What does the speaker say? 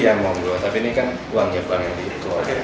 ya mohon gua tapi ini kan uangnya bank